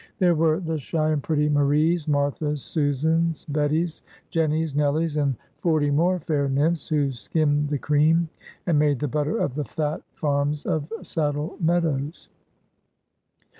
There were the shy and pretty Maries, Marthas, Susans, Betties, Jennies, Nellies; and forty more fair nymphs, who skimmed the cream, and made the butter of the fat farms of Saddle Meadows.